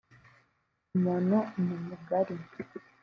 umuntu ni mugari